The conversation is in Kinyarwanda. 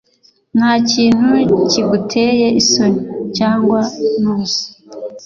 ntakintu kiguteye isoni cyangwa nubusa